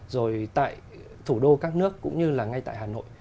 rồi tại thủ đô các nước cũng như là ngay tại hà nội